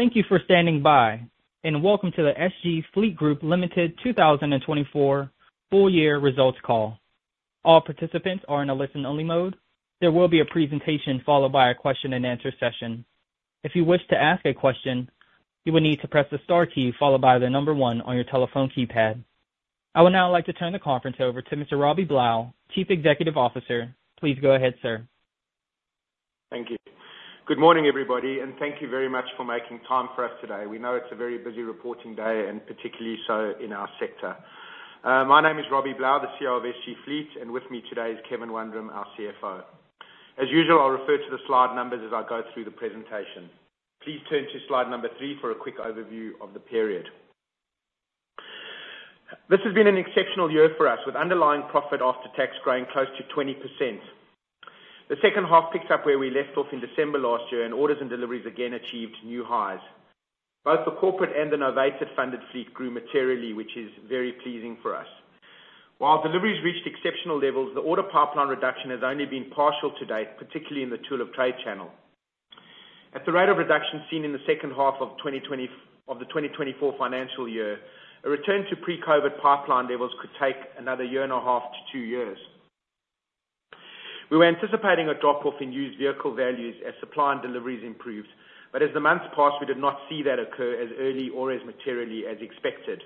Thank you for standing by, and welcome to the SG Fleet Group Limited 2024 full year results call. All participants are in a listen-only mode. There will be a presentation followed by a question and answer session. If you wish to ask a question, you will need to press the star key followed by the number one on your telephone keypad. I would now like to turn the conference over to Mr. Robbie Blau, Chief Executive Officer. Please go ahead, sir. Thank you. Good morning, everybody, and thank you very much for making time for us today. We know it's a very busy reporting day, and particularly so in our sector. My name is Robbie Blau, the CEO of SG Fleet, and with me today is Kevin Wundram, our CFO. As usual, I'll refer to the slide numbers as I go through the presentation. Please turn to slide number three for a quick overview of the period. This has been an exceptional year for us, with underlying profit after tax growing close to 20%. The second half picks up where we left off in December last year, and orders and deliveries again achieved new highs. Both the corporate and the novated funded fleet grew materially, which is very pleasing for us. While deliveries reached exceptional levels, the order pipeline reduction has only been partial to date, particularly in the tool of trade channel. At the rate of reduction seen in the second half of the 2024 financial year, a return to pre-COVID pipeline levels could take another year and a half to two years. We were anticipating a drop-off in used vehicle values as supply and deliveries improved, but as the months passed, we did not see that occur as early or as materially as expected.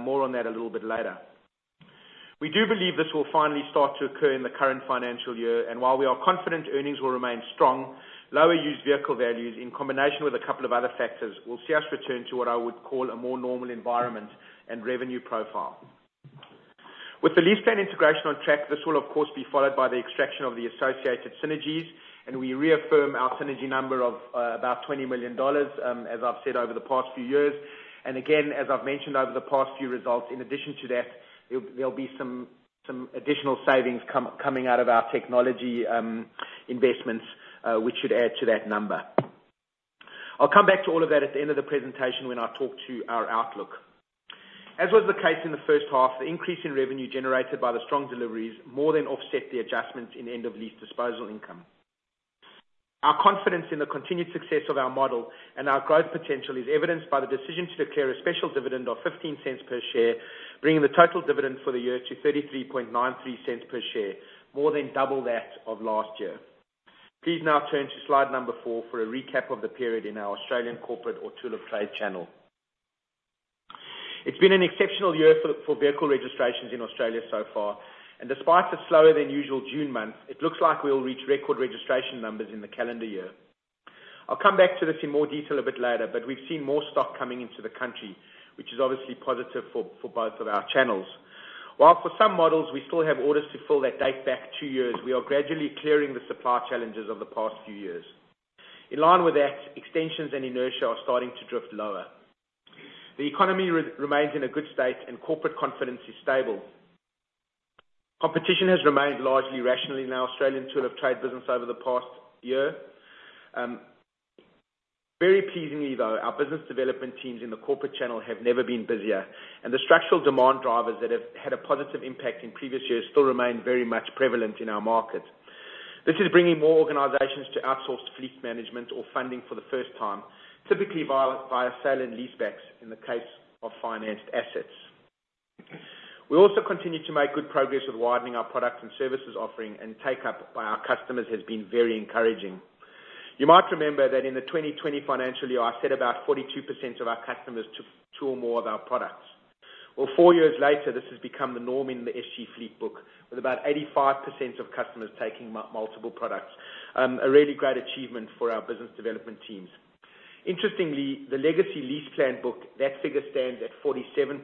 More on that a little bit later. We do believe this will finally start to occur in the current financial year, and while we are confident earnings will remain strong, lower used vehicle values in combination with a couple of other factors will see us return to what I would call a more normal environment and revenue profile. With the LeasePlan integration on track, this will of course be followed by the extraction of the associated synergies, and we reaffirm our synergy number of about 20 million dollars, as I've said over the past few years. And again, as I've mentioned over the past few results, in addition to that, there'll be some additional savings coming out of our technology investments, which should add to that number. I'll come back to all of that at the end of the presentation when I talk to our outlook. As was the case in the first half, the increase in revenue generated by the strong deliveries more than offset the adjustments in end of lease disposal income. Our confidence in the continued success of our model and our growth potential is evidenced by the decision to declare a special dividend of 0.15 per share, bringing the total dividend for the year to 0.3393 per share, more than double that of last year. Please now turn to slide number four for a recap of the period in our Australian corporate or tool of trade channel. It's been an exceptional year for vehicle registrations in Australia so far, and despite the slower than usual June month, it looks like we'll reach record registration numbers in the calendar year. I'll come back to this in more detail a bit later, but we've seen more stock coming into the country, which is obviously positive for both of our channels. While for some models we still have orders to fill that date back two years, we are gradually clearing the supply challenges of the past few years. In line with that, extensions and inertia are starting to drift lower. The economy remains in a good state, and corporate confidence is stable. Competition has remained largely rational in our Australian tool of trade business over the past year. Very pleasingly though, our business development teams in the corporate channel have never been busier, and the structural demand drivers that have had a positive impact in previous years still remain very much prevalent in our market. This is bringing more organizations to outsource fleet management or funding for the first time, typically via sale and leasebacks in the case of financed assets. We also continue to make good progress with widening our products and services offering, and take up by our customers has been very encouraging. You might remember that in the 2020 financial year, I said about 42% of our customers took two or more of our products. Well, four years later, this has become the norm in the SG Fleet book, with about 85% of customers taking multiple products. A really great achievement for our business development teams. Interestingly, the legacy LeasePlan book, that figure stands at 47%.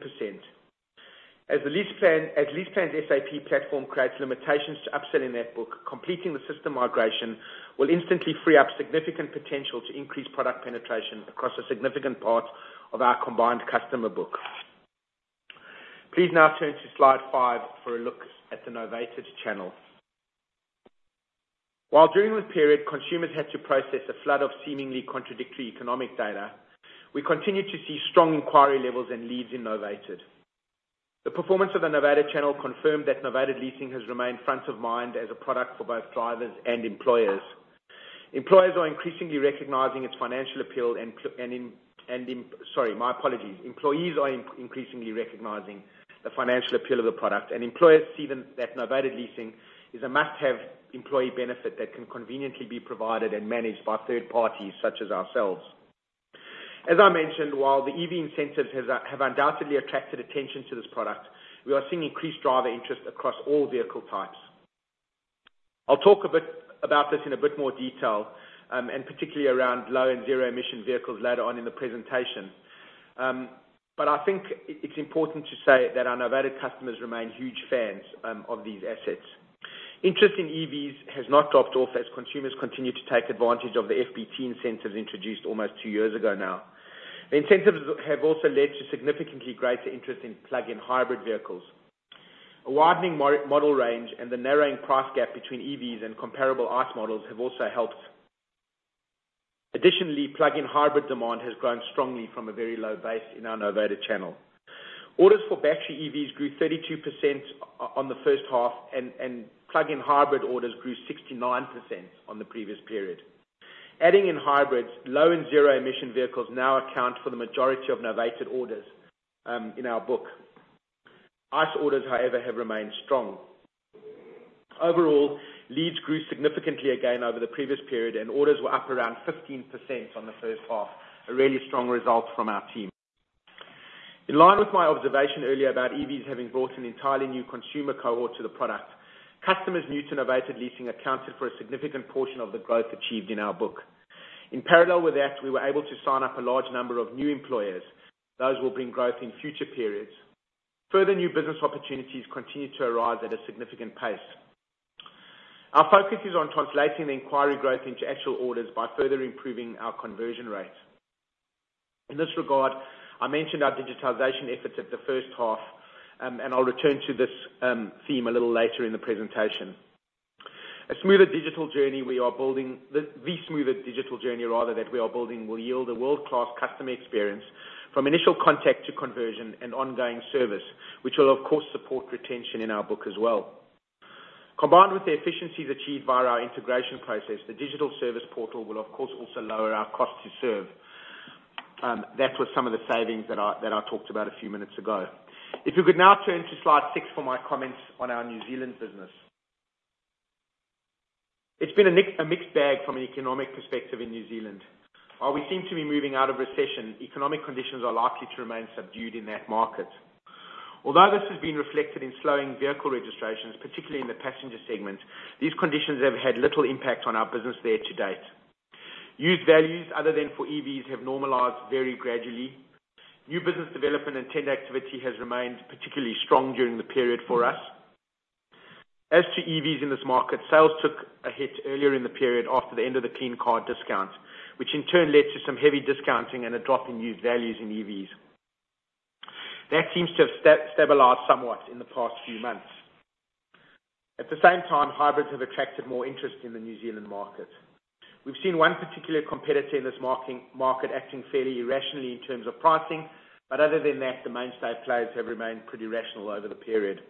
As the LeasePlan SAP platform creates limitations to upselling that book, completing the system migration will instantly free up significant potential to increase product penetration across a significant part of our combined customer book. Please now turn to slide 5 for a look at the novated channel. While during this period, consumers had to process a flood of seemingly contradictory economic data, we continued to see strong inquiry levels and leads in novated. The performance of the novated channel confirmed that novated leasing has remained front of mind as a product for both drivers and employers. Employers are increasingly recognizing its financial appeal. Sorry, my apologies. Employees are increasingly recognizing the financial appeal of the product, and employers see them, that novated leasing is a must-have employee benefit that can conveniently be provided and managed by third parties, such as ourselves. As I mentioned, while the EV incentives have undoubtedly attracted attention to this product, we are seeing increased driver interest across all vehicle types. I'll talk a bit about this in a bit more detail, and particularly around low and zero-emission vehicles later on in the presentation. But I think it's important to say that our novated customers remain huge fans of these assets. Interest in EVs has not dropped off as consumers continue to take advantage of the FBT incentives introduced almost two years ago now. The incentives have also led to significantly greater interest in plug-in hybrid vehicles. A widening model range and the narrowing price gap between EVs and comparable ICE models have also helped. Additionally, plug-in hybrid demand has grown strongly from a very low base in our novated channel. Orders for battery EVs grew 32% on the first half, and plug-in hybrid orders grew 69% on the previous period. Adding in hybrids, low and zero emissions vehicles now account for the majority of novated orders in our book. ICE orders, however, have remained strong. Overall, leads grew significantly again over the previous period, and orders were up around 15% on the first half, a really strong result from our team. In line with my observation earlier about EVs having brought an entirely new consumer cohort to the product, customers new to novated leasing accounted for a significant portion of the growth achieved in our book. In parallel with that, we were able to sign up a large number of new employers. Those will bring growth in future periods. Further new business opportunities continue to arise at a significant pace. Our focus is on translating the inquiry growth into actual orders by further improving our conversion rate. In this regard, I mentioned our digitization efforts at the first half, and I'll return to this theme a little later in the presentation. A smoother digital journey, we are building. The smoother digital journey rather that we are building, will yield a world-class customer experience from initial contact to conversion and ongoing service, which will, of course, support retention in our book as well. Combined with the efficiencies achieved via our integration process, the digital service portal will, of course, also lower our cost to serve. That was some of the savings that I talked about a few minutes ago. If you could now turn to Slide six for my comments on our New Zealand business. It's been a mixed bag from an economic perspective in New Zealand. While we seem to be moving out of recession, economic conditions are likely to remain subdued in that market. Although this has been reflected in slowing vehicle registrations, particularly in the passenger segment, these conditions have had little impact on our business there to date. Used values other than for EVs have normalized very gradually. New business development and tender activity has remained particularly strong during the period for us. As to EVs in this market, sales took a hit earlier in the period after the end of the Clean Car Discount, which in turn led to some heavy discounting and a drop in used values in EVs. That seems to have stabilized somewhat in the past few months. At the same time, hybrids have attracted more interest in the New Zealand market. We've seen one particular competitor in this market acting fairly irrationally in terms of pricing, but other than that, the mainstay players have remained pretty rational over the period.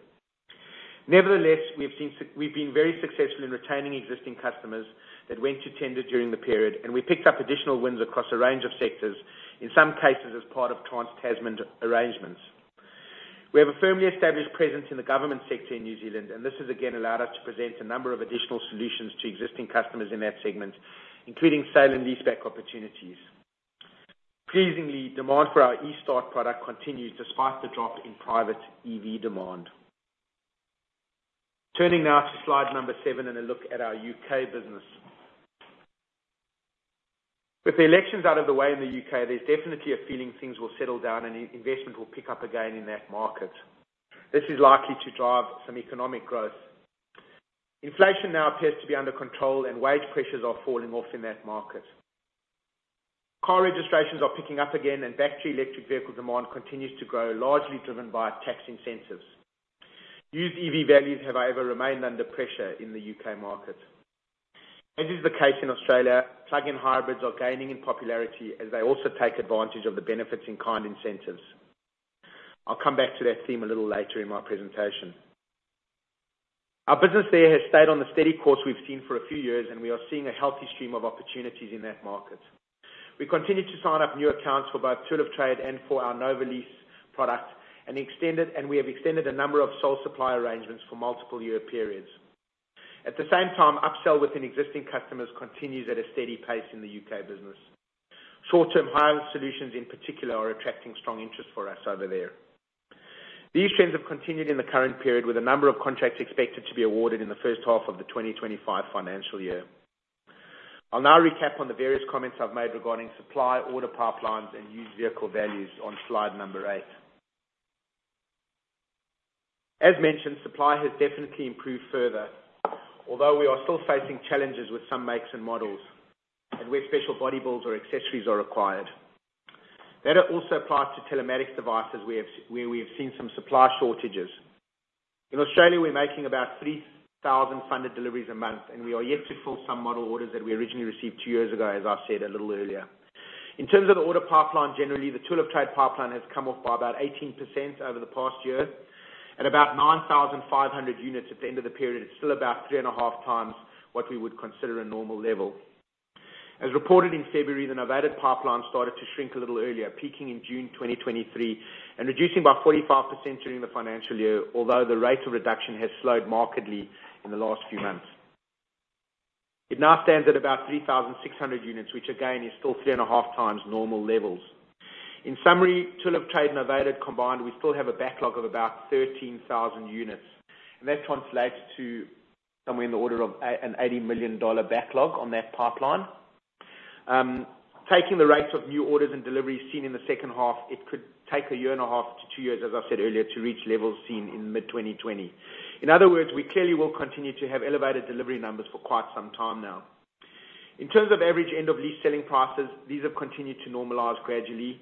Nevertheless, we've been very successful in retaining existing customers that went to tender during the period, and we picked up additional wins across a range of sectors, in some cases as part of trans-Tasman arrangements. We have a firmly established presence in the government sector in New Zealand, and this has again allowed us to present a number of additional solutions to existing customers in that segment, including sale and leaseback opportunities. Pleasingly, demand for our eStart product continues despite the drop in private EV demand. Turning now to slide number seven and a look at our U.K. business. With the elections out of the way in the UK, there's definitely a feeling things will settle down and investment will pick up again in that market. This is likely to drive some economic growth. Inflation now appears to be under control, and wage pressures are falling off in that market. Car registrations are picking up again, and battery electric vehicle demand continues to grow, largely driven by tax incentives. Used EV values have however remained under pressure in the UK market. As is the case in Australia, plug-in hybrids are gaining in popularity as they also take advantage of the Benefits in Kind incentives. I'll come back to that theme a little later in my presentation. Our business there has stayed on the steady course we've seen for a few years, and we are seeing a healthy stream of opportunities in that market. We continue to sign up new accounts for both Tool of Trade and for our Novalease product, and we have extended a number of sole supplier arrangements for multiple year periods. At the same time, upsell within existing customers continues at a steady pace in the U.K. business. Short-term hire solutions, in particular, are attracting strong interest for us over there. These trends have continued in the current period, with a number of contracts expected to be awarded in the first half of the twenty twenty-five financial year. I'll now recap on the various comments I've made regarding supply, order pipelines, and used vehicle values on slide number eight. As mentioned, supply has definitely improved further, although we are still facing challenges with some makes and models, and where special body builds or accessories are required. That also applies to telematics devices. We have where we have seen some supply shortages. In Australia, we're making about 3,000 funded deliveries a month, and we are yet to fill some model orders that we originally received two years ago, as I said a little earlier. In terms of the order pipeline, generally, the Tool of Trade pipeline has come off by about 18% over the past year. At about 9,500 units at the end of the period, it's still about 3.5 times what we would consider a normal level. As reported in February, the novated pipeline started to shrink a little earlier, peaking in June 2023 and reducing by 45% during the financial year, although the rate of reduction has slowed markedly in the last few months. It now stands at about 3,600 units, which again is still 3.5 times normal levels. In summary, Tool of Trade and novated combined, we still have a backlog of about 13,000 units, and that translates to somewhere in the order of an 80 million dollar backlog on that pipeline. Taking the rates of new orders and deliveries seen in the second half, it could take a year and a half to two years, as I said earlier, to reach levels seen in mid-2020. In other words, we clearly will continue to have elevated delivery numbers for quite some time now. In terms of average end of lease selling prices, these have continued to normalize gradually.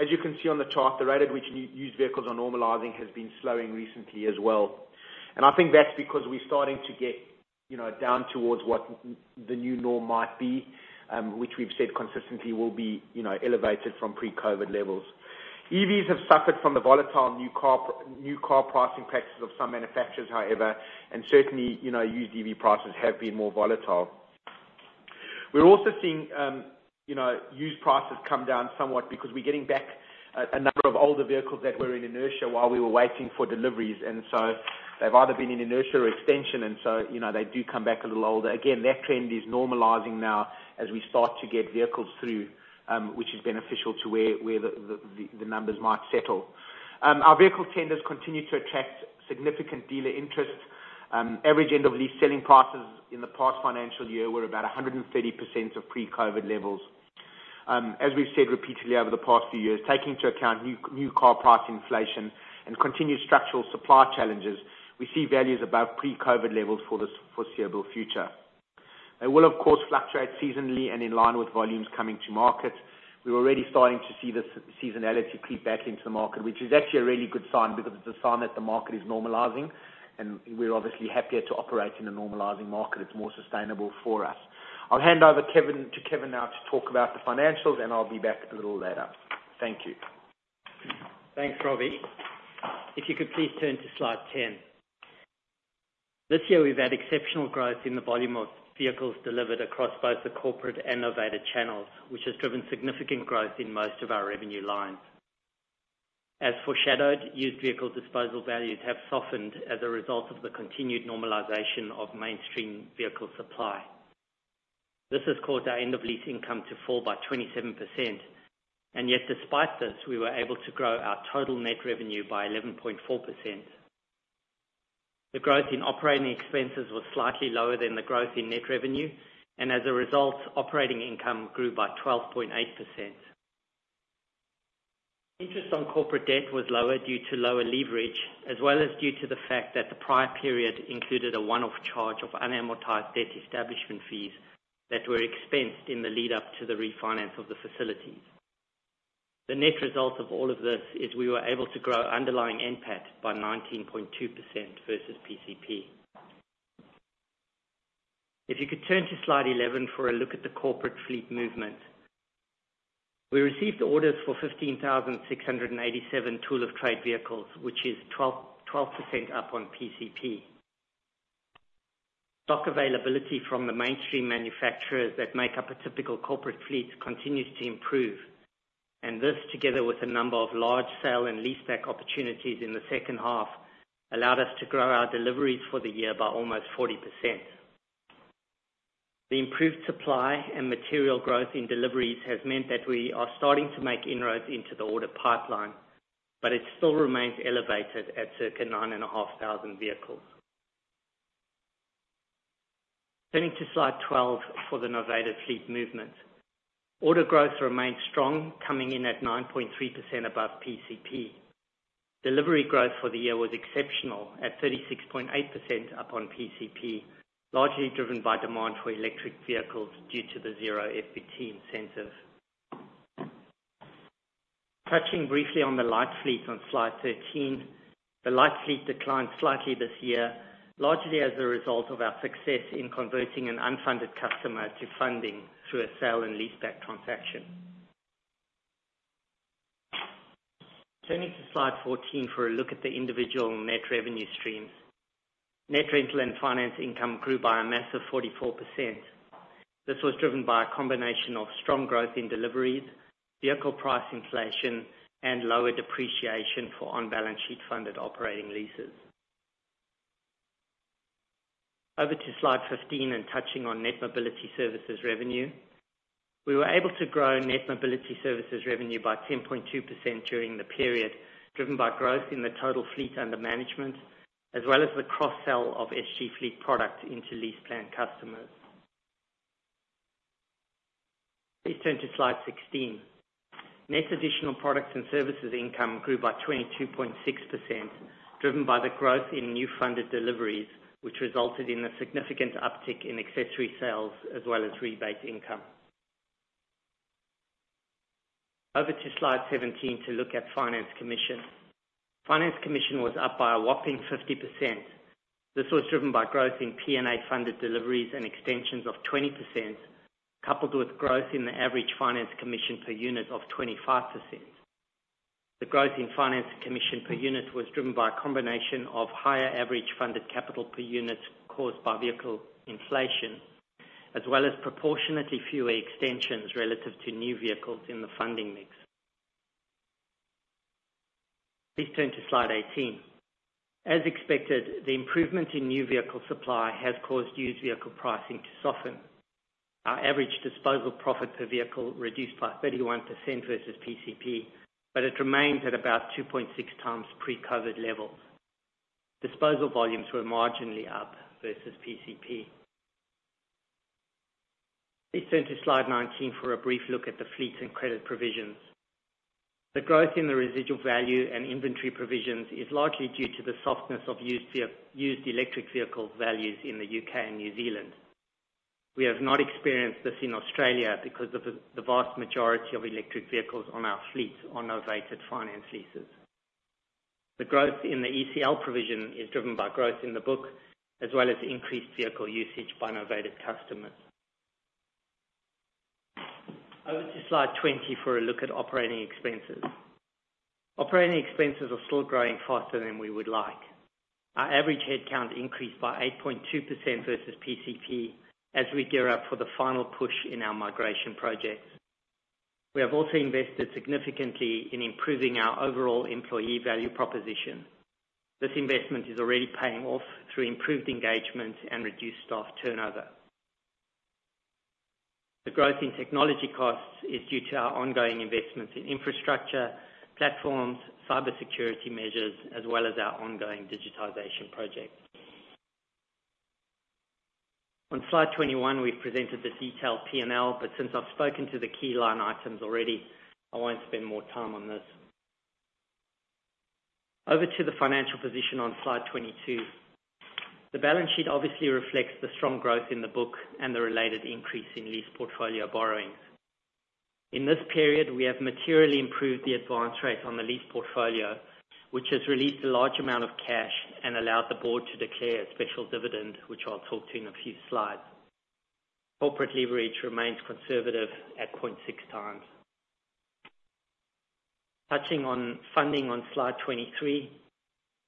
As you can see on the chart, the rate at which used vehicles are normalizing has been slowing recently as well. And I think that's because we're starting to get, you know, down towards what the new norm might be, which we've said consistently will be, you know, elevated from pre-COVID levels. EVs have suffered from the volatile new car pricing practices of some manufacturers, however, and certainly, you know, used EV prices have been more volatile. We're also seeing, you know, used prices come down somewhat because we're getting back a number of older vehicles that were in inertia while we were waiting for deliveries. And so they've either been in inertia or extension, and so, you know, they do come back a little older. Again, that trend is normalizing now as we start to get vehicles through, which is beneficial to where the numbers might settle. Our vehicle tenders continue to attract significant dealer interest. Average end of lease selling prices in the past financial year were about 130% of pre-COVID levels. As we've said repeatedly over the past few years, taking into account new car price inflation and continued structural supply challenges, we see values above pre-COVID levels for the foreseeable future. They will, of course, fluctuate seasonally and in line with volumes coming to market. We're already starting to see this seasonality creep back into the market, which is actually a really good sign, because it's a sign that the market is normalizing, and we're obviously happier to operate in a normalizing market. It's more sustainable for us. I'll hand over to Kevin now to talk about the financials, and I'll be back a little later. Thank you. Thanks, Robbie. If you could please turn to Slide 10. This year, we've had exceptional growth in the volume of vehicles delivered across both the corporate and novated channels, which has driven significant growth in most of our revenue lines. As foreshadowed, used vehicle disposal values have softened as a result of the continued normalization of mainstream vehicle supply. This has caused our end of lease income to fall by 27%, and yet despite this, we were able to grow our total net revenue by 11.4%. The growth in operating expenses was slightly lower than the growth in net revenue, and as a result, operating income grew by 12.8%. Interest on corporate debt was lower due to lower leverage, as well as due to the fact that the prior period included a one-off charge of unamortized debt establishment fees that were expensed in the lead up to the refinance of the facilities. The net result of all of this is we were able to grow underlying NPAT by 19.2% versus PCP. If you could turn to Slide 11 for a look at the corporate fleet movement. We received orders for 15,687 tool of trade vehicles, which is 12% up on PCP. Stock availability from the mainstream manufacturers that make up a typical corporate fleet continues to improve, and this, together with a number of large sale and leaseback opportunities in the second half, allowed us to grow our deliveries for the year by almost 40%. The improved supply and material growth in deliveries has meant that we are starting to make inroads into the order pipeline, but it still remains elevated at circa nine and a half thousand vehicles. Turning to Slide 12 for the Novated fleet movement. Order growth remained strong, coming in at 9.3% above PCP. Delivery growth for the year was exceptional at 36.8% up on PCP, largely driven by demand for electric vehicles due to the zero FBT incentive. Touching briefly on the light fleet on Slide 13. The light fleet declined slightly this year, largely as a result of our success in converting an unfunded customer to funding through a sale and leaseback transaction. Turning to Slide 14 for a look at the individual net revenue streams. Net rental and finance income grew by a massive 44%. This was driven by a combination of strong growth in deliveries, vehicle price inflation, and lower depreciation for on-balance sheet funded operating leases. Over to Slide 15 and touching on net mobility services revenue. We were able to grow net mobility services revenue by 10.2% during the period, driven by growth in the total fleet under management, as well as the cross-sell of SG Fleet products into LeasePlan customers. Please turn to Slide 16. Net additional products and services income grew by 22.6%, driven by the growth in new funded deliveries, which resulted in a significant uptick in accessory sales as well as rebate income. Over to Slide 17 to look at finance commission. Finance commission was up by a whopping 50%. This was driven by growth in P&A-funded deliveries and extensions of 20%, coupled with growth in the average finance commission per unit of 25%. The growth in finance commission per unit was driven by a combination of higher average funded capital per unit caused by vehicle inflation, as well as proportionately fewer extensions relative to new vehicles in the funding mix. Please turn to Slide 18. As expected, the improvement in new vehicle supply has caused used vehicle pricing to soften. Our average disposal profit per vehicle reduced by 31% versus PCP, but it remains at about two point six times pre-COVID levels. Disposal volumes were marginally up versus PCP. Please turn to Slide 19 for a brief look at the fleets and credit provisions. The growth in the residual value and inventory provisions is largely due to the softness of used electric vehicle values in the UK and New Zealand. We have not experienced this in Australia because of the vast majority of electric vehicles on our fleets are novated finance leases. The growth in the ECL provision is driven by growth in the book, as well as increased vehicle usage by novated customers. Over to slide 20 for a look at operating expenses. Operating expenses are still growing faster than we would like. Our average headcount increased by 8.2% versus PCP, as we gear up for the final push in our migration projects. We have also invested significantly in improving our overall employee value proposition. This investment is already paying off through improved engagement and reduced staff turnover. The growth in technology costs is due to our ongoing investments in infrastructure, platforms, cybersecurity measures, as well as our ongoing digitization project. On slide twenty-one, we've presented the detailed P&L, but since I've spoken to the key line items already, I won't spend more time on this. Over to the financial position on slide twenty-two. The balance sheet obviously reflects the strong growth in the book and the related increase in lease portfolio borrowings. In this period, we have materially improved the advance rate on the lease portfolio, which has released a large amount of cash and allowed the board to declare a special dividend, which I'll talk to in a few slides. Corporate leverage remains conservative at point six times. Touching on funding on slide 23,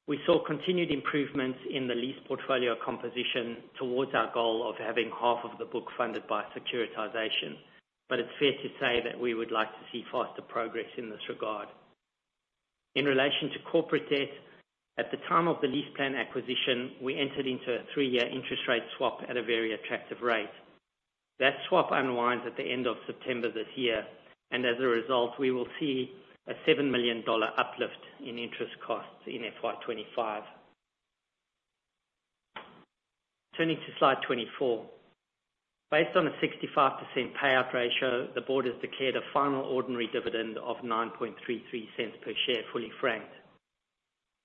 we saw continued improvements in the lease portfolio composition towards our goal of having half of the book funded by securitization, but it's fair to say that we would like to see faster progress in this regard. In relation to corporate debt, at the time of the LeasePlan acquisition, we entered into a three-year interest rate swap at a very attractive rate. That swap unwinds at the end of September this year, and as a result, we will see an 7 million dollar uplift in interest costs in FY 2025. Turning to slide 24. Based on a 65% payout ratio, the board has declared a final ordinary dividend of 0.0933 per share, fully franked.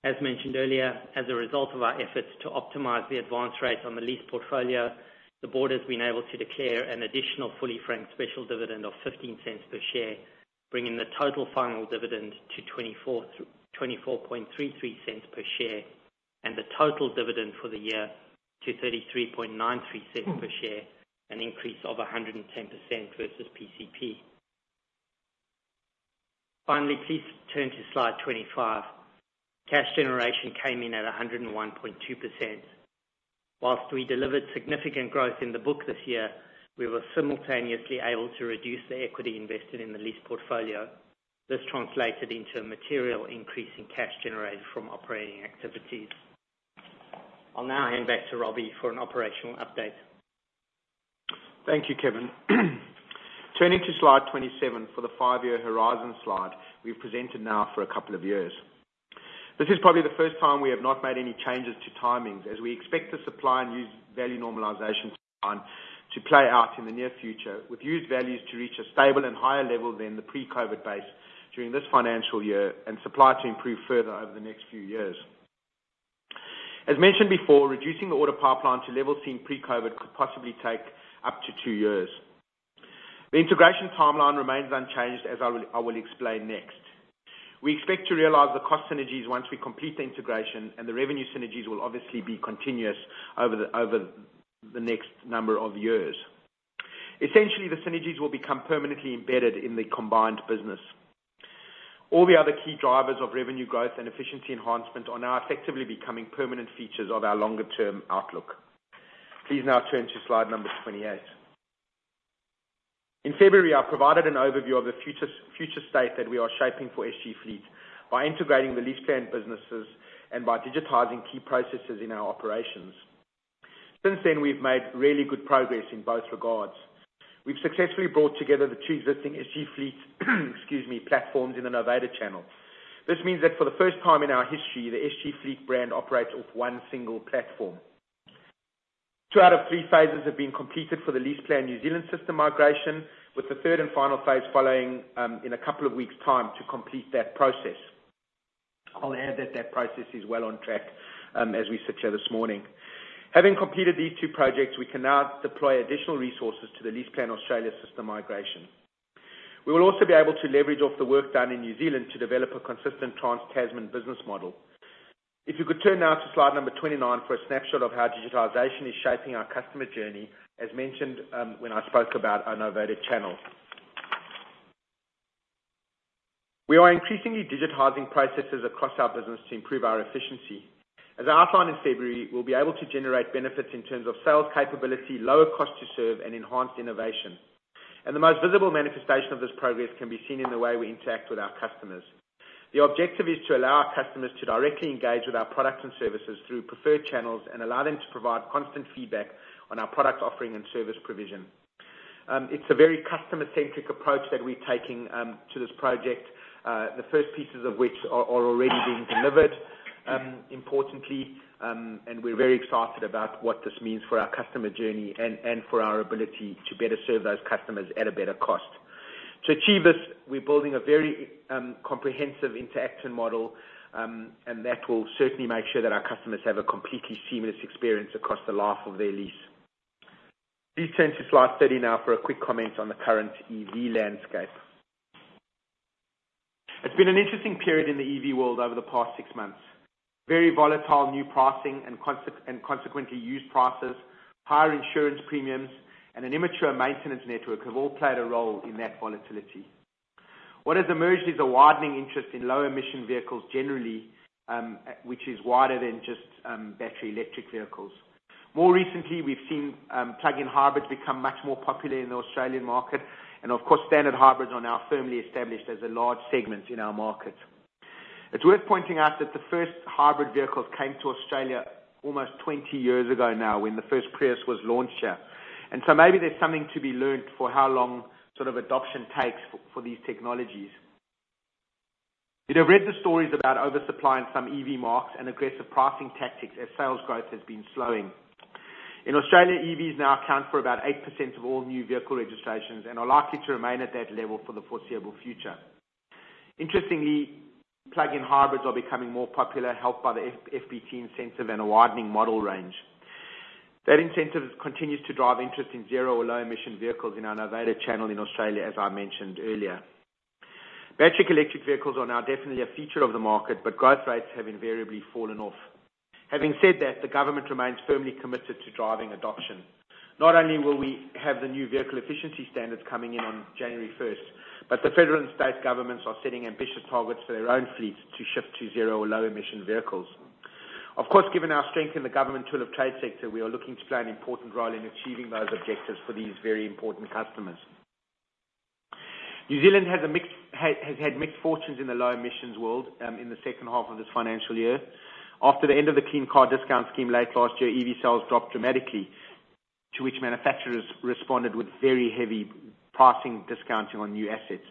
As mentioned earlier, as a result of our efforts to optimize the advance rate on the lease portfolio, the board has been able to declare an additional fully franked special dividend of 0.15 per share, bringing the total final dividend to 0.2433 per share, and the total dividend for the year to 0.3393 per share, an increase of 110% versus PCP. Finally, please turn to slide 25. Cash generation came in at 101.2%. While we delivered significant growth in the book this year, we were simultaneously able to reduce the equity invested in the lease portfolio. This translated into a material increase in cash generated from operating activities. I'll now hand back to Robbie for an operational update. Thank you, Kevin. Turning to slide twenty-seven for the five-year horizon slide we've presented now for a couple of years. This is probably the first time we have not made any changes to timings, as we expect the supply and used value normalization time to play out in the near future, with used values to reach a stable and higher level than the pre-COVID base during this financial year, and supply to improve further over the next few years. As mentioned before, reducing the order pipeline to levels seen pre-COVID could possibly take up to two years. The integration timeline remains unchanged, as I will explain next. We expect to realize the cost synergies once we complete the integration, and the revenue synergies will obviously be continuous over the next number of years. Essentially, the synergies will become permanently embedded in the combined business. All the other key drivers of revenue growth and efficiency enhancement are now effectively becoming permanent features of our longer term outlook. Please now turn to slide number twenty-eight. In February, I provided an overview of the future state that we are shaping for SG Fleet by integrating the LeasePlan businesses and by digitizing key processes in our operations. Since then, we've made really good progress in both regards. We've successfully brought together the two existing SG Fleet, excuse me, platforms in the novated channel. This means that for the first time in our history, the SG Fleet brand operates off one single platform. Two out of three phases have been completed for the LeasePlan New Zealand system migration, with the third and final phase following in a couple of weeks' time to complete that process. I'll add that that process is well on track, as we sit here this morning. Having completed these two projects, we can now deploy additional resources to the LeasePlan Australia system migration. We will also be able to leverage off the work done in New Zealand to develop a consistent Trans-Tasman business model. If you could turn now to slide number 29 for a snapshot of how digitization is shaping our customer journey, as mentioned, when I spoke about our novated channels. We are increasingly digitizing processes across our business to improve our efficiency. As outlined in February, we'll be able to generate benefits in terms of sales capability, lower cost to serve, and enhanced innovation, and the most visible manifestation of this progress can be seen in the way we interact with our customers. The objective is to allow our customers to directly engage with our products and services through preferred channels and allow them to provide constant feedback on our product offering and service provision. It's a very customer-centric approach that we're taking to this project, the first pieces of which are already being delivered, importantly, and we're very excited about what this means for our customer journey and for our ability to better serve those customers at a better cost. To achieve this, we're building a very comprehensive end-to-end action model, and that will certainly make sure that our customers have a completely seamless experience across the life of their lease. Please turn to slide thirty now for a quick comment on the current EV landscape. It's been an interesting period in the EV world over the past six months. Very volatile new pricing and consequently, used prices, higher insurance premiums, and an immature maintenance network, have all played a role in that volatility. What has emerged is a widening interest in low emission vehicles generally, which is wider than just battery electric vehicles. More recently, we've seen plug-in hybrids become much more popular in the Australian market, and of course, standard hybrids are now firmly established as a large segment in our market. It's worth pointing out that the first hybrid vehicles came to Australia almost twenty years ago now, when the first Prius was launched here. And so maybe there's something to be learned for how long sort of adoption takes for these technologies. You'd have read the stories about oversupply in some EV markets and aggressive pricing tactics as sales growth has been slowing. In Australia, EVs now account for about 8% of all new vehicle registrations and are likely to remain at that level for the foreseeable future. Interestingly, plug-in hybrids are becoming more popular, helped by the FBT incentive and a widening model range. That incentive continues to drive interest in zero or low emission vehicles in our Novated channel in Australia, as I mentioned earlier. Battery electric vehicles are now definitely a feature of the market, but growth rates have invariably fallen off. Having said that, the government remains firmly committed to driving adoption. Not only will we have the new vehicle efficiency standards coming in on January 1st, but the federal and state governments are setting ambitious targets for their own fleets to shift to zero or low emission vehicles. Of course, given our strength in the government tool of trade sector, we are looking to play an important role in achieving those objectives for these very important customers. New Zealand has had mixed fortunes in the low emissions world, in the second half of this financial year. After the end of the Clean Car Discount scheme late last year, EV sales dropped dramatically, to which manufacturers responded with very heavy pricing discounting on new assets.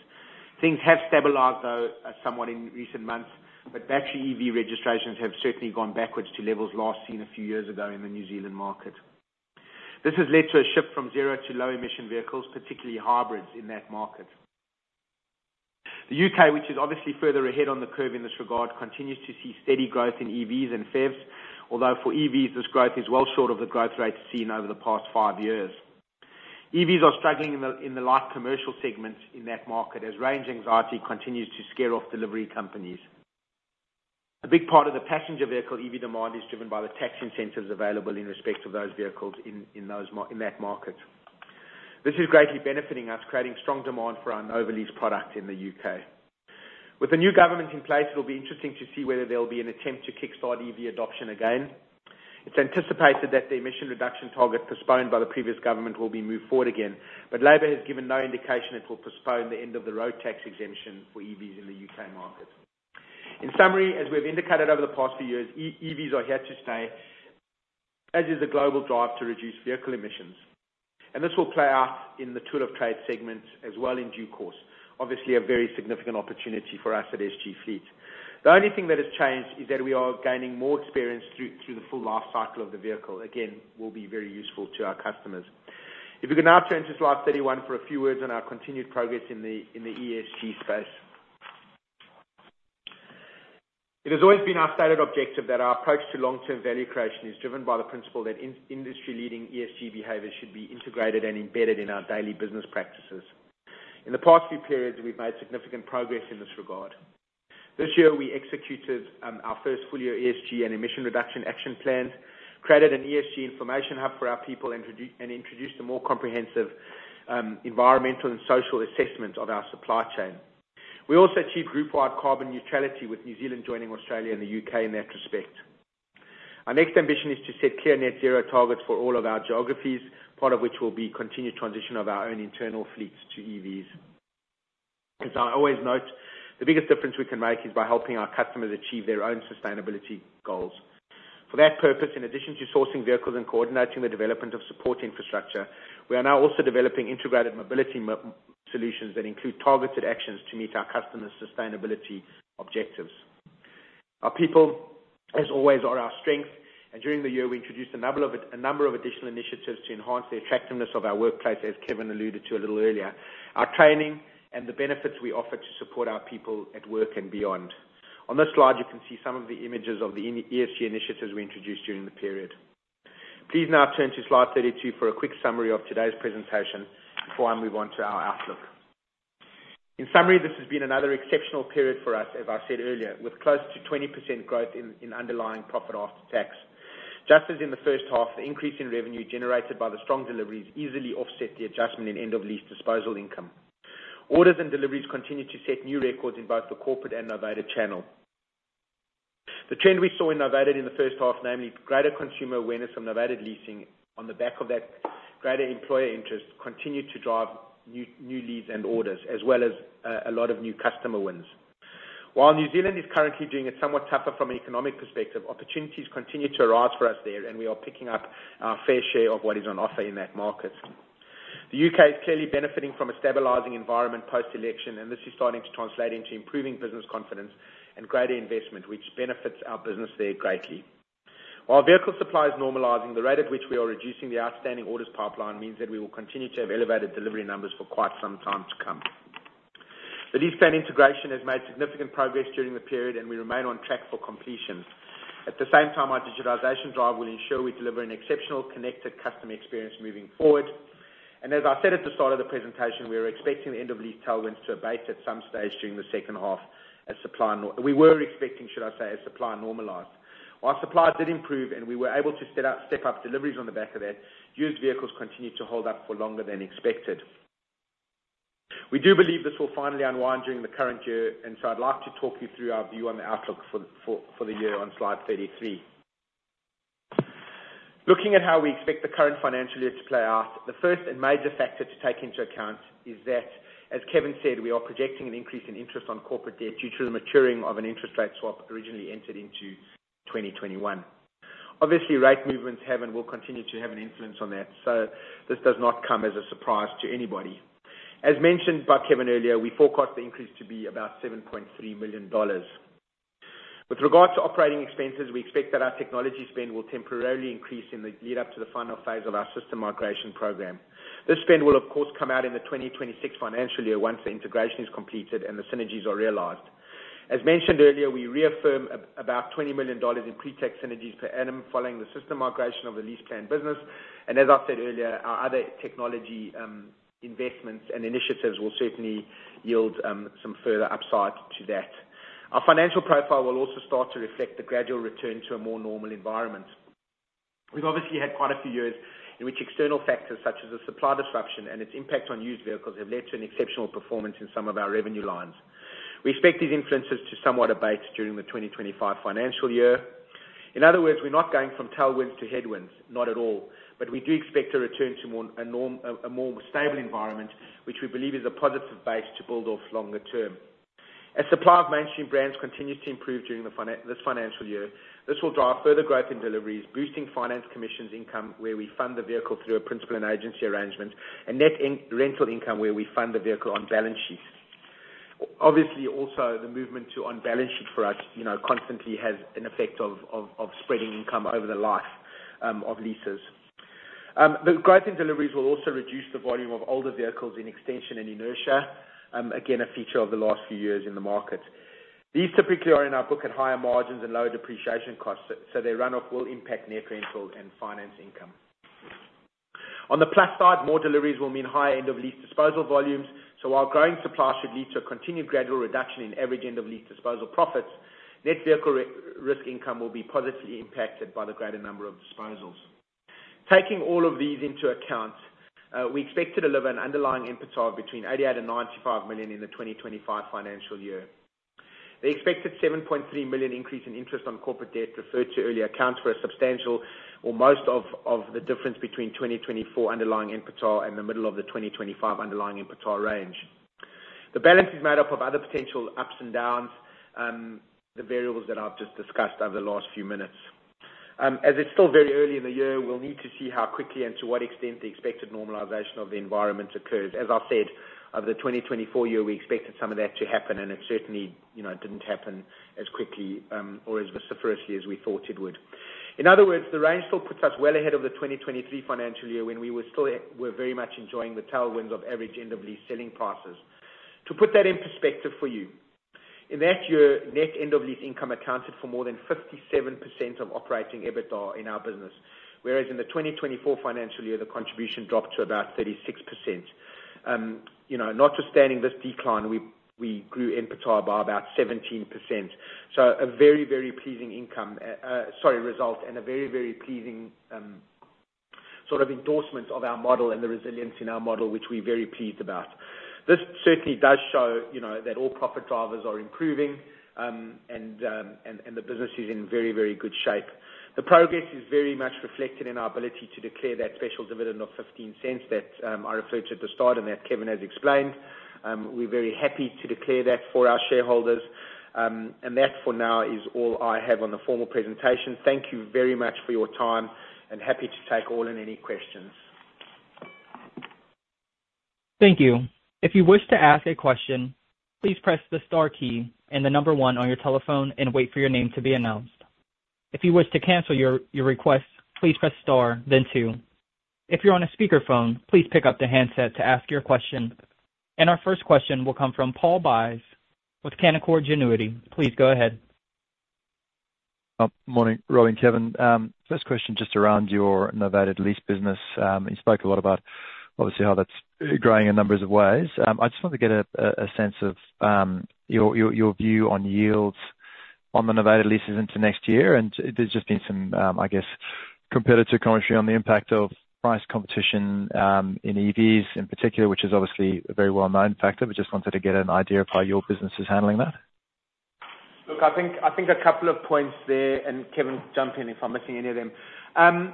Things have stabilized, though, somewhat in recent months, but battery EV registrations have certainly gone backwards to levels last seen a few years ago in the New Zealand market. This has led to a shift from zero to low emission vehicles, particularly hybrids, in that market. The U.K., which is obviously further ahead on the curve in this regard, continues to see steady growth in EVs and PHEVs, although for EVs, this growth is well short of the growth rate seen over the past five years. EVs are struggling in the light commercial segments in that market, as range anxiety continues to scare off delivery companies. A big part of the passenger vehicle EV demand is driven by the tax incentives available in respect to those vehicles in that market. This is greatly benefiting us, creating strong demand for our novated lease product in the U.K. With the new government in place, it'll be interesting to see whether there'll be an attempt to kickstart EV adoption again. It's anticipated that the emission reduction target postponed by the previous government will be moved forward again, but Labour has given no indication it will postpone the end of the road tax exemption for EVs in the UK market. In summary, as we've indicated over the past few years, EVs are here to stay, as is the global drive to reduce vehicle emissions, and this will play out in the tool of trade segments as well in due course. Obviously, a very significant opportunity for us at SG Fleet. The only thing that has changed is that we are gaining more experience through the full life cycle of the vehicle. Again, will be very useful to our customers. If you could now turn to slide 31 for a few words on our continued progress in the ESG space. It has always been our stated objective that our approach to long-term value creation is driven by the principle that industry-leading ESG behavior should be integrated and embedded in our daily business practices. In the past few periods, we've made significant progress in this regard. This year, we executed our first full-year ESG and emission reduction action plan, created an ESG information hub for our people, and introduced a more comprehensive environmental and social assessment of our supply chain. We also achieved group-wide carbon neutrality, with New Zealand joining Australia and the UK in that respect. Our next ambition is to set clear net zero targets for all of our geographies, part of which will be continued transition of our own internal fleets to EVs. As I always note, the biggest difference we can make is by helping our customers achieve their own sustainability goals. For that purpose, in addition to sourcing vehicles and coordinating the development of support infrastructure, we are now also developing integrated mobility solutions that include targeted actions to meet our customers' sustainability objectives. Our people, as always, are our strength, and during the year, we introduced a number of additional initiatives to enhance the attractiveness of our workplace, as Kevin alluded to a little earlier, our training and the benefits we offer to support our people at work and beyond. On this slide, you can see some of the images of the ESG initiatives we introduced during the period. Please now turn to slide 32 for a quick summary of today's presentation before I move on to our outlook. In summary, this has been another exceptional period for us, as I said earlier, with close to 20% growth in underlying profit after tax. Just as in the first half, the increase in revenue generated by the strong deliveries easily offset the adjustment in end-of-lease disposal income. Orders and deliveries continued to set new records in both the corporate and Novated channel. The trend we saw in Novated in the first half, namely greater consumer awareness from Novated leasing, on the back of that, greater employer interest, continued to drive new leads and orders, as well as a lot of new customer wins. While New Zealand is currently doing it somewhat tougher from an economic perspective, opportunities continue to arise for us there, and we are picking up our fair share of what is on offer in that market. The U.K. is clearly benefiting from a stabilizing environment post-election, and this is starting to translate into improving business confidence and greater investment, which benefits our business there greatly. While vehicle supply is normalizing, the rate at which we are reducing the outstanding orders pipeline means that we will continue to have elevated delivery numbers for quite some time to come. The LeasePlan integration has made significant progress during the period, and we remain on track for completion. At the same time, our digitization drive will ensure we deliver an exceptional connected customer experience moving forward. We are expecting the end of these tailwinds to abate at some stage during the second half, as supply normalized. While supply did improve and we were able to step up deliveries on the back of that, used vehicles continued to hold up for longer than expected. We do believe this will finally unwind during the current year, and so I'd like to talk you through our view on the outlook for the year on slide 33. Looking at how we expect the current financial year to play out, the first and major factor to take into account is that, as Kevin said, we are projecting an increase in interest on corporate debt due to the maturing of an interest rate swap originally entered into 2021. Obviously, rate movements have and will continue to have an influence on that, so this does not come as a surprise to anybody. As mentioned by Kevin earlier, we forecast the increase to be about 7.3 million dollars. With regard to operating expenses, we expect that our technology spend will temporarily increase in the lead-up to the final phase of our system migration program. This spend will, of course, come out in the 2026 financial year once the integration is completed and the synergies are realized. As mentioned earlier, we reaffirm about 20 million dollars in pre-tax synergies per annum following the system migration of the LeasePlan business, and as I said earlier, our other technology investments and initiatives will certainly yield some further upside to that. Our financial profile will also start to reflect the gradual return to a more normal environment. We've obviously had quite a few years in which external factors, such as the supply disruption and its impact on used vehicles, have led to an exceptional performance in some of our revenue lines. We expect these influences to somewhat abate during the twenty twenty-five financial year. In other words, we're not going from tailwinds to headwinds, not at all, but we do expect to return to more normal, a more stable environment, which we believe is a positive base to build off longer term. As supply of mainstream brands continues to improve during this financial year, this will drive further growth in deliveries, boosting finance commissions income, where we fund the vehicle through a principal and agency arrangement, and net rental income, where we fund the vehicle on balance sheet. Obviously, also, the movement to on balance sheet for us, you know, constantly has an effect of spreading income over the life of leases. The growth in deliveries will also reduce the volume of older vehicles in extension and inertia, again, a feature of the last few years in the market. These typically are in our book at higher margins and lower depreciation costs, so their run-off will impact net rental and finance income. On the plus side, more deliveries will mean higher end-of-lease disposal volumes, so while growing supply should lead to a continued gradual reduction in average end-of-lease disposal profits, net vehicle risk income will be positively impacted by the greater number of disposals. Taking all of these into account, we expect to deliver an underlying EBITDA between 88 million and 95 million in the 2025 financial year. The expected 7.3 million increase in interest on corporate debt referred to earlier accounts for a substantial or most of the difference between 2024 underlying EBITDA and the middle of the 2025 underlying EBITDA range. The balance is made up of other potential ups and downs, the variables that I've just discussed over the last few minutes. As it's still very early in the year, we'll need to see how quickly and to what extent the expected normalization of the environment occurs. As I've said, over the 2024 year, we expected some of that to happen, and it certainly, you know, didn't happen as quickly, or as vociferously as we thought it would. In other words, the range still puts us well ahead of the 2023 financial year, when we were still, we were very much enjoying the tailwinds of average end-of-lease selling prices. To put that in perspective for you, in that year, net end-of-lease income accounted for more than 57% of operating EBITDA in our business, whereas in the 2024 financial year, the contribution dropped to about 36%. You know, notwithstanding this decline, we grew EBITDA by about 17%, so a very, very pleasing result, and a very, very pleasing sort of endorsement of our model and the resilience in our model, which we're very pleased about. This certainly does show, you know, that all profit drivers are improving, and the business is in very, very good shape. The progress is very much reflected in our ability to declare that special dividend of 0.15 that, I referred to at the start, and that Kevin has explained. We're very happy to declare that for our shareholders, and that, for now, is all I have on the formal presentation. Thank you very much for your time, and happy to take all and any questions. Thank you. If you wish to ask a question, please press the star key and the number one on your telephone and wait for your name to be announced. If you wish to cancel your request, please press star, then two. If you're on a speakerphone, please pick up the handset to ask your question. And our first question will come from Paul Buys with Canaccord Genuity. Please go ahead. Morning, Robbie and Kevin. First question, just around your novated lease business. You spoke a lot about, obviously, how that's growing in a number of ways. I just wanted to get a sense of your view on yields on the novated leases into next year, and there's just been some, I guess, competitive commentary on the impact of price competition in EVs in particular, which is obviously a very well-known factor, but just wanted to get an idea of how your business is handling that. Look, I think, I think a couple of points there, and, Kevin, jump in if I'm missing any of them.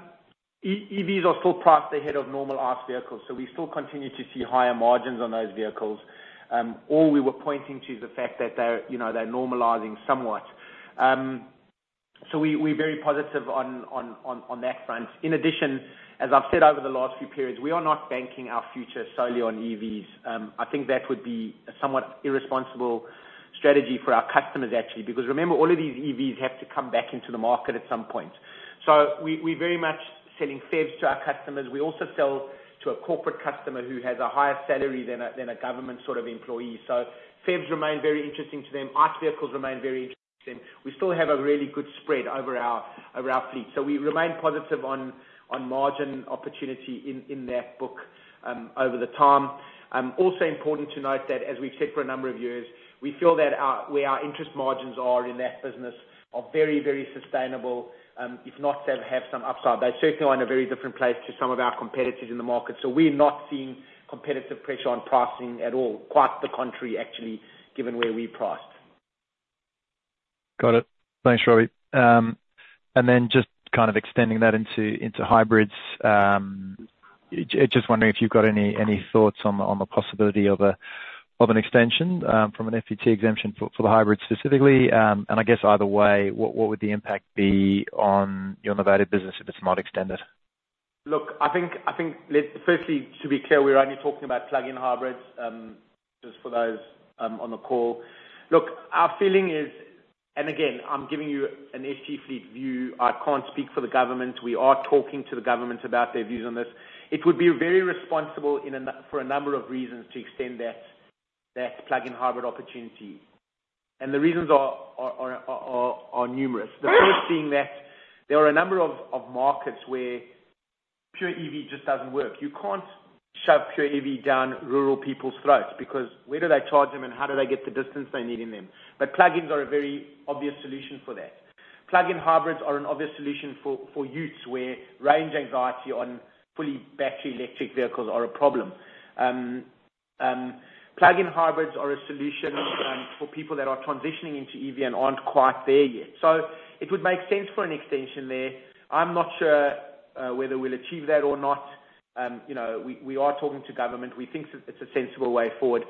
EVs are still priced ahead of normal ICE vehicles, so we still continue to see higher margins on those vehicles. All we were pointing to is the fact that they're, you know, they're normalizing somewhat. So we're very positive on that front. In addition, as I've said over the last few periods, we are not banking our future solely on EVs. I think that would be a somewhat irresponsible strategy for our customers, actually, because remember, all of these EVs have to come back into the market at some point. So we very much selling PHEVs to our customers. We also sell to a corporate customer who has a higher salary than a government sort of employee. So PHEVs remain very interesting to them, ICE vehicles remain very interesting to them. We still have a really good spread over our fleet. So we remain positive on margin opportunity in that book over the time. Also important to note that, as we've said for a number of years, we feel that our interest margins are in that business are very, very sustainable, if not, they'll have some upside. They're certainly on a very different place to some of our competitors in the market, so we're not seeing competitive pressure on pricing at all. Quite the contrary, actually, given where we price. Got it. Thanks, Robbie. And then just kind of extending that into hybrids, just wondering if you've got any thoughts on the possibility of an extension from an FBT exemption for the hybrids specifically? And I guess either way, what would the impact be on your Novated business if it's not extended? Look, I think, let's firstly, to be clear, we're only talking about plug-in hybrids, just for those on the call. Look, our feeling is, and again, I'm giving you an SG Fleet view, I can't speak for the government. We are talking to the government about their views on this. It would be very responsible in a number of reasons, to extend that plug-in hybrid opportunity. And the reasons are numerous. The first being that there are a number of markets where pure EV just doesn't work. You can't shove pure EV down rural people's throats, because where do they charge them, and how do they get the distance they need in them? But plug-ins are a very obvious solution for that. Plug-in hybrids are an obvious solution for youths, where range anxiety on fully battery electric vehicles are a problem. Plug-in hybrids are a solution for people that are transitioning into EV and aren't quite there yet. So it would make sense for an extension there. I'm not sure whether we'll achieve that or not. You know, we are talking to government. We think that it's a sensible way forward.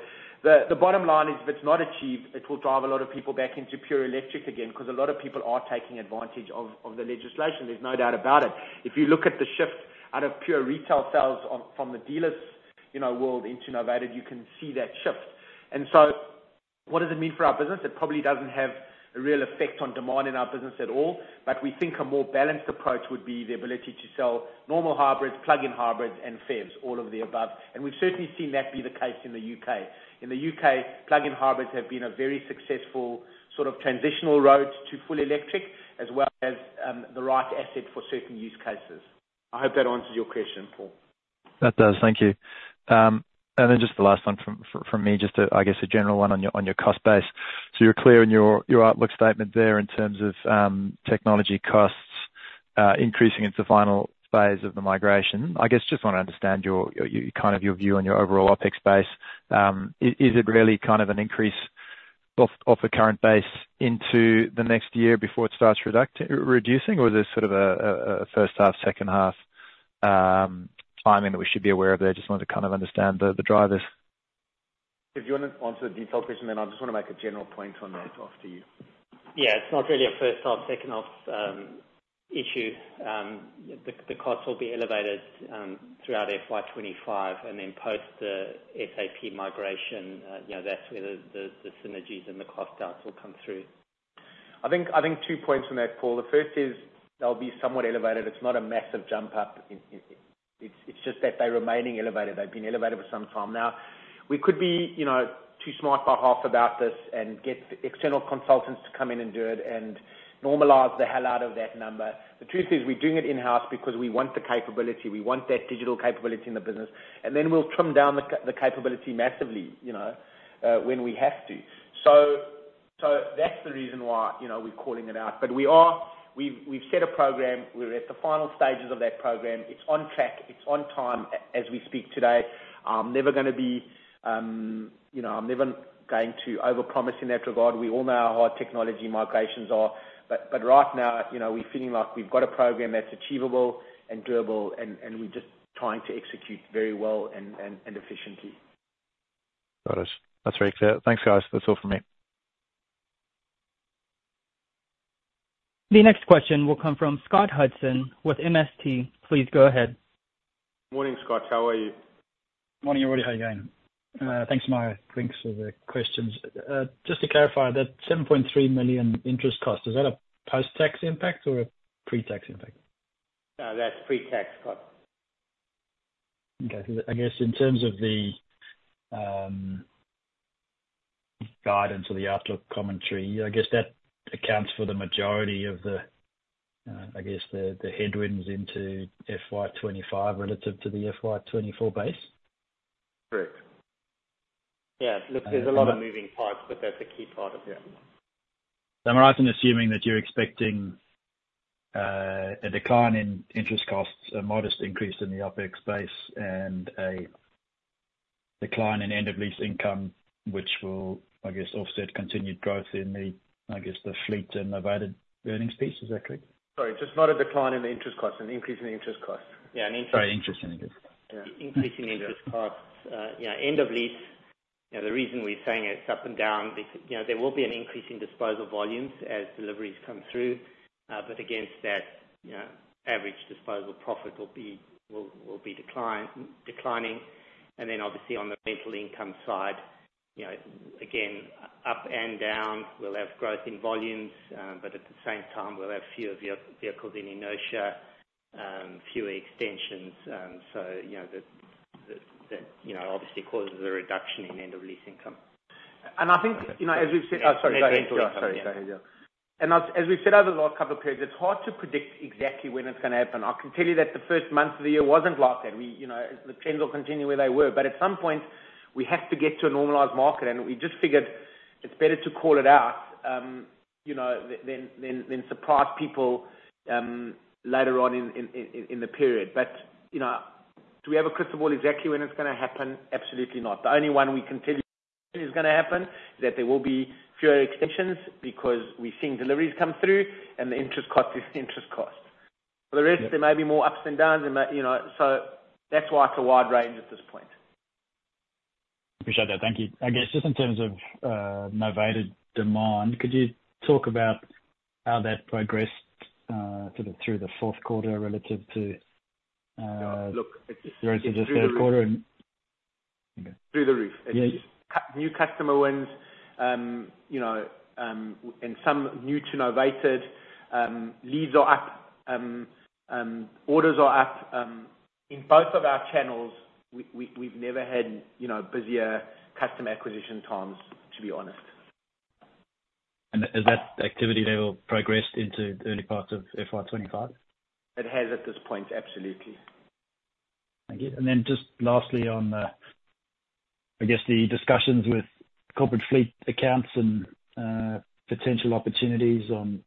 The bottom line is, if it's not achieved, it will drive a lot of people back into pure electric again, 'cause a lot of people are taking advantage of the legislation, there's no doubt about it. If you look at the shift out of pure retail sales from the dealers, you know, world into Novated, you can see that shift. And so what does it mean for our business? It probably doesn't have a real effect on demand in our business at all, but we think a more balanced approach would be the ability to sell normal hybrids, plug-in hybrids, and PHEVs, all of the above, and we've certainly seen that be the case in the U.K. In the U.K., plug-in hybrids have been a very successful sort of transitional road to fully electric, as well as, the right asset for certain use cases. I hope that answers your question, Paul. That does. Thank you. And then just the last one from me, just a, I guess, a general one on your cost base. So you're clear in your outlook statement there, in terms of technology costs increasing into the final phase of the migration. I guess just want to understand your view on your overall OpEx base. Is it really kind of an increase off the current base into the next year before it starts reducing, or is this sort of a first half, second half timing that we should be aware of there? Just wanted to kind of understand the drivers. If you wanna answer the detail question, then I just wanna make a general point on that. Off to you. Yeah, it's not really a first half, second half issue. The costs will be elevated throughout FY25, and then post the SAP migration, you know, that's where the synergies and the cost downs will come through. I think, I think two points on that, Paul. The first is, they'll be somewhat elevated. It's not a massive jump up, it's just that they're remaining elevated, they've been elevated for some time now. We could be, you know, too smart by half about this and get external consultants to come in and do it, and normalize the hell out of that number. The truth is, we're doing it in-house because we want the capability, we want that digital capability in the business, and then we'll trim down the capability massively, you know, when we have to. So, so that's the reason why, you know, we're calling it out. But we are, we've set a program, we're at the final stages of that program, it's on track, it's on time as we speak today. I'm never gonna be, you know, I'm never going to overpromise in that regard. We all know how hard technology migrations are, but right now, you know, we're feeling like we've got a program that's achievable and doable, and we're just trying to execute very well and efficiently. Got it. That's very clear. Thanks, guys. That's all from me. The next question will come from Scott Hudson with MST. Please go ahead. Morning, Scott. How are you? Morning, Robbie. How are you going? Thanks, mate. Thanks for the questions. Just to clarify, that 7.3 million interest cost, is that a post-tax impact or a pre-tax impact? That's pre-tax cost. Okay, so I guess in terms of the guidance or the outlook commentary, I guess that accounts for the majority of the, I guess, the headwinds into FY25, relative to the FY24 base? Correct. Yeah. Look. Okay There's a lot of moving parts, but that's a key part of it. Yeah. Am I right in assuming that you're expecting a decline in interest costs, a modest increase in the OpEx base, and a decline in end-of-lease income, which will, I guess, offset continued growth in the, I guess, the fleet and Novated earnings piece, is that correct? Sorry, just not a decline in the interest costs, an increase in the interest costs. Yeah, an increase. Sorry, interest, thank you. Yeah. Increasing interest costs, you know, end of lease, you know, the reason we're saying it's up and down, because, you know, there will be an increase in disposal volumes as deliveries come through, but against that, you know, average disposal profit will be declining. And then obviously, on the rental income side, you know, again, up and down, we'll have growth in volumes, but at the same time, we'll have fewer vehicles in inertia, fewer extensions. So, you know, that obviously causes a reduction in end of lease income. And I think, you know, as we've said. Oh, sorry, go ahead, Trevor. Sorry, go ahead, yeah. And as we've said over the last couple of periods, it's hard to predict exactly when it's gonna happen. I can tell you that the first month of the year wasn't like that. We, you know, the trends will continue where they were, but at some point, we have to get to a normalized market, and we just figured it's better to call it out, than surprise people, later on in the period. But, you know, do we have a crystal ball exactly when it's gonna happen? Absolutely not. The only one we can tell you is gonna happen, is that there will be fewer extensions because we've seen deliveries come through, and the interest cost is interest cost. For the rest, there may be more ups than downs. There might, you know, so that's why it's a wide range at this point. Appreciate that. Thank you. I guess, just in terms of, novated demand, could you talk about how that progressed, sort of through the fourth quarter relative to. Look, it's. Relative to the third quarter and- Through the roof. Yeah. New customer wins, you know, and some new to novated, leads are up, orders are up in both of our channels. We've never had, you know, busier customer acquisition times, to be honest. Has that activity level progressed into the early parts of FY 2025? It has at this point, absolutely. Thank you. And then just lastly, on the, I guess, discussions with corporate fleet accounts and potential opportunities on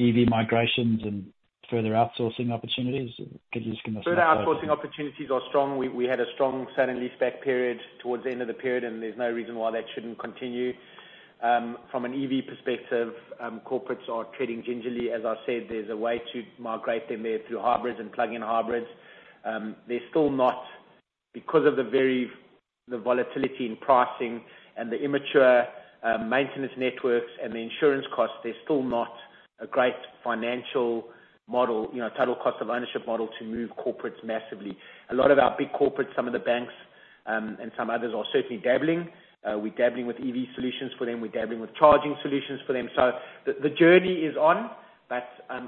EV migrations and further outsourcing opportunities, could you just give us? Further outsourcing opportunities are strong. We had a strong sale and leaseback period towards the end of the period, and there's no reason why that shouldn't continue. From an EV perspective, corporates are treading gingerly. As I said, there's a way to migrate them there through hybrids and plug-in hybrids. They're still not... Because of the volatility in pricing and the immature maintenance networks and the insurance costs, they're still not a great financial model, you know, total cost of ownership model to move corporates massively. A lot of our big corporates, some of the banks, and some others are certainly dabbling. We're dabbling with EV solutions for them. We're dabbling with charging solutions for them. So the journey is on, but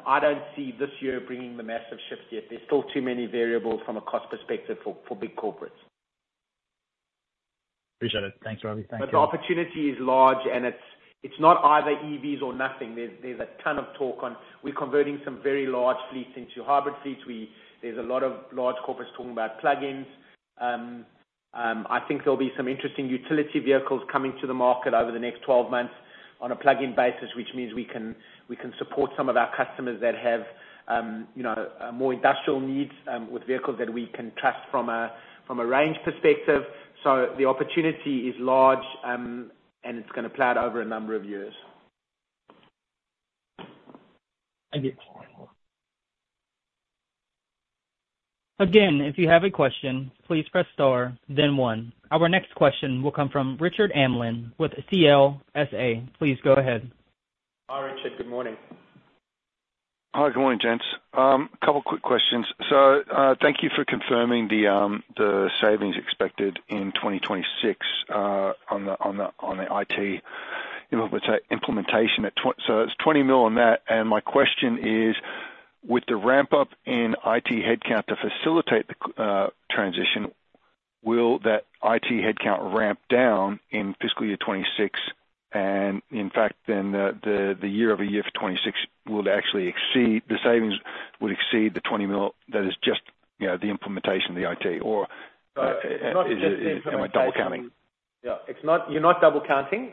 I don't see this year bringing the massive shift yet. There's still too many variables from a cost perspective for big corporates. Appreciate it. Thanks, Robbie. Thank you. But the opportunity is large, and it's not either EVs or nothing. There's a ton of talk on we're converting some very large fleets into hybrid fleets. There's a lot of large corporates talking about plug-ins. I think there'll be some interesting utility vehicles coming to the market over the next twelve months on a plug-in basis, which means we can support some of our customers that have you know more industrial needs with vehicles that we can trust from a range perspective. So the opportunity is large, and it's gonna play out over a number of years. Thank you. Again, if you have a question, please press star then one. Our next question will come from Richard Amlin with CLSA. Please go ahead. Hi, Richard. Good morning. Hi, good morning, gents. A couple quick questions. So, thank you for confirming the savings expected in 2026 on the IT, you know, let's say, implementation. So it's 20 million on that. And my question is, with the ramp up in IT headcount to facilitate the transition, will that IT headcount ramp down in fiscal year 2026? And in fact, then the year over year for 2026 will actually exceed, the savings, will exceed the 20 million that is just, you know, the implementation of the IT or- It's not just the implementation. Am I double counting? Yeah. It's not... You're not double counting.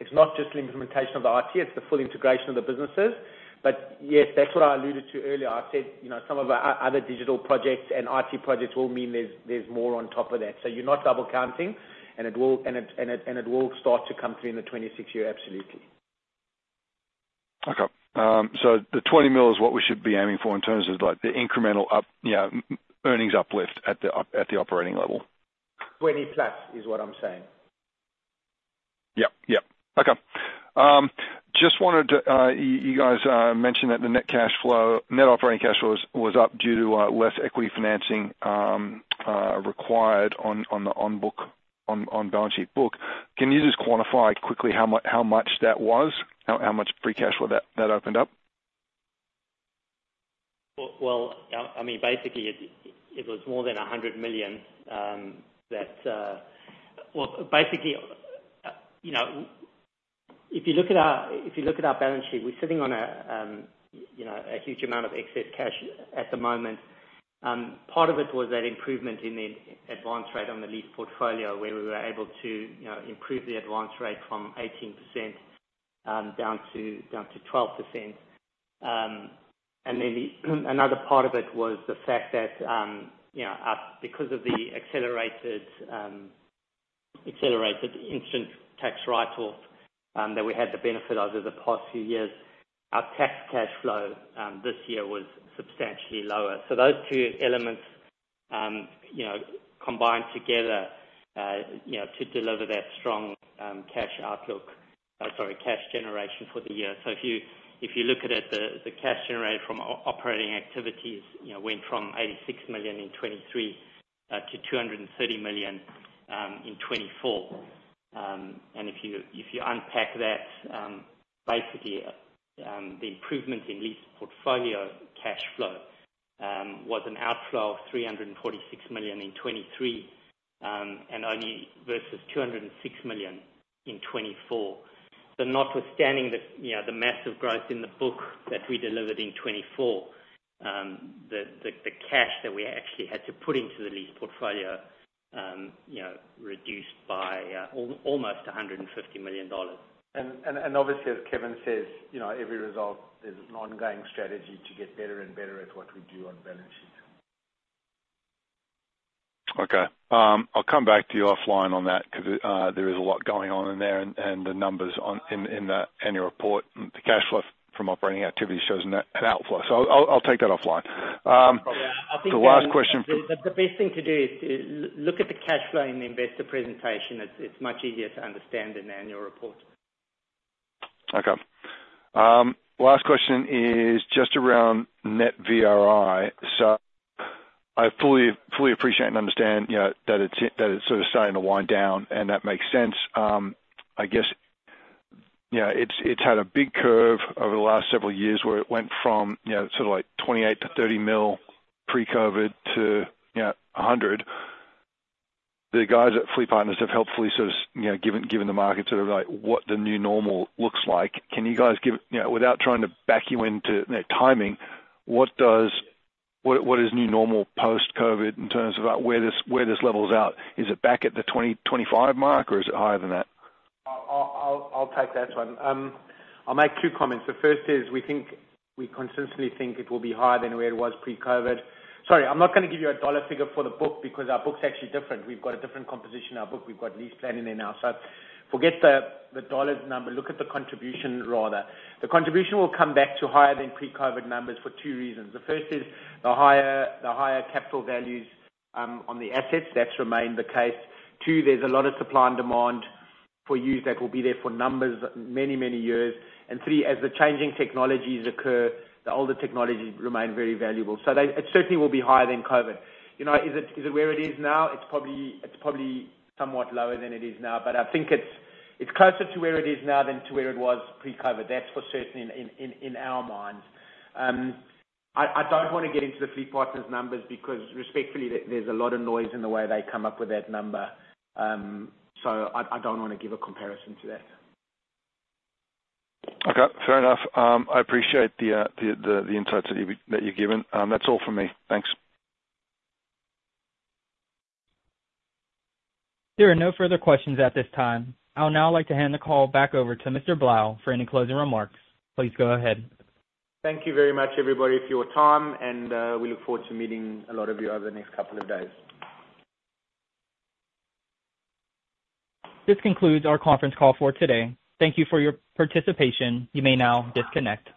It's not just the implementation of the IT, it's the full integration of the businesses. But yes, that's what I alluded to earlier. I said, you know, some of our other digital projects and IT projects all mean there's more on top of that. So you're not double counting, and it will start to come through in the twenty-six year, absolutely. Okay. So the 20 million is what we should be aiming for in terms of, like, the incremental up, you know, earnings uplift at the operating level? Twenty plus is what I'm saying. Yep. Yep. Okay. Just wanted to, you guys, mentioned that the net cash flow, net operating cash flow was up due to less equity financing required on the on-book, on balance sheet book. Can you just quantify quickly how much that was? How much free cash flow that opened up? I mean, basically, it was more than 100 million that. Basically, you know, if you look at our balance sheet, we're sitting on, you know, a huge amount of excess cash at the moment. Part of it was that improvement in the advance rate on the lease portfolio, where we were able to, you know, improve the advance rate from 18% down to 12%. And then another part of it was the fact that, you know, because of the accelerated instant tax write-off that we had the benefit of over the past few years, our tax cash flow this year was substantially lower. So those two elements, you know, combined together, you know, to deliver that strong cash outlook. Sorry, cash generation for the year. So if you look at it, the cash generated from operating activities, you know, went from 86 million in 2023 to 230 million in 2024. And if you unpack that, basically, the improvements in lease portfolio cash flow was an outflow of 346 million in 2023 and only versus 206 million in 2024. So notwithstanding the you know, the massive growth in the book that we delivered in 2024, the cash that we actually had to put into the lease portfolio, you know, reduced by almost 150 million dollars. Obviously, as Kevin says, you know, every result is an ongoing strategy to get better and better at what we do on balance sheet. Okay. I'll come back to you offline on that, 'cause there is a lot going on in there, and the numbers on that annual report, the cash flow from operating activity shows an outflow. So I'll take that offline. Yeah, I think the. The last question. But the best thing to do is look at the cash flow in the investor presentation. It's much easier to understand than the annual report. Okay. Last question is just around net VRI. So I fully appreciate and understand, you know, that it's sort of starting to wind down, and that makes sense. I guess, you know, it's had a big curve over the last several years, where it went from, you know, sort of like 28 million-30 million pre-COVID to, you know, 100 million. The guys at FleetPartners have helpfully sort of, you know, given the market sort of like what the new normal looks like. Can you guys give? You know, without trying to back you into net timing, what is new normal post-COVID in terms of, like, where this levels out? Is it back at the 20 million-25 million mark, or is it higher than that? I'll take that one. I'll make two comments. The first is we consistently think it will be higher than where it was pre-COVID. Sorry, I'm not gonna give you a dollar figure for the book, because our book's actually different. We've got a different composition in our book. We've got LeasePlan in now. So forget the dollars number, look at the contribution rather. The contribution will come back to higher than pre-COVID numbers for two reasons. The first is the higher capital values on the assets. That's remained the case. Two, there's a lot of supply and demand for used that will be there for numerous many years. And three, as the changing technologies occur, the older technologies remain very valuable. So they... It certainly will be higher than COVID. You know, is it where it is now? It's probably somewhat lower than it is now, but I think it's closer to where it is now than to where it was pre-COVID. That's for certain in our minds. I don't wanna get into the FleetPartners numbers, because respectfully, there's a lot of noise in the way they come up with that number. So I don't wanna give a comparison to that. Okay, fair enough. I appreciate the insights that you've given. That's all for me. Thanks. There are no further questions at this time. I'll now like to hand the call back over to Mr. Blau for any closing remarks. Please go ahead. Thank you very much, everybody, for your time, and we look forward to meeting a lot of you over the next couple of days. This concludes our conference call for today. Thank you for your participation. You may now disconnect.